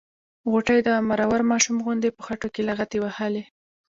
غوټۍ د مرور ماشوم غوندې په خټو کې لغتې وهلې.